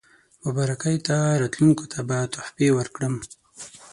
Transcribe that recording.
مبارکۍ ته راتلونکو ته به تحفې ورکړم.